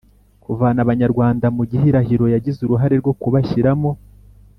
kuvana abanyarwanda mu gihirahiro yagize uruhare rwo kubashyiramo.